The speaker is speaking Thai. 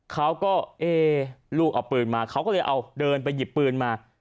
เขาก็เอ๊ลูกเอาปืนมาเขาก็เลยเอาเดินไปหยิบปืนมา